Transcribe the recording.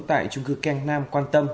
tại trung cư keng nam quan tâm